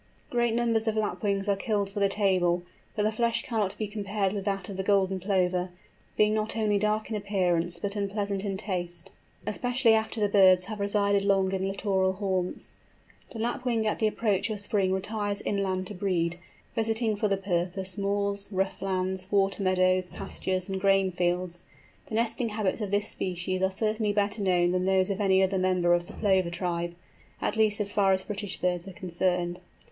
Great numbers of Lapwings are killed for the table, but the flesh cannot be compared with that of the Golden Plover, being not only dark in appearance, but unpleasant in taste, especially after the birds have resided long in littoral haunts. The Lapwing at the approach of spring retires inland to breed, visiting for the purpose moors, rough lands, water meadows, pastures, and grain fields. The nesting habits of this species are certainly better known than those of any other member of the Plover tribe, at least, as far as British birds are concerned.